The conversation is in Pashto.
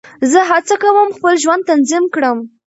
زه هڅه کوم خپل ژوند تنظیم کړم.